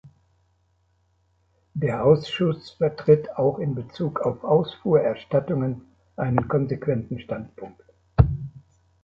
Der Ausschuss vertritt auch in Bezug auf Ausfuhrerstattungen einen konsequenten Standpunkt.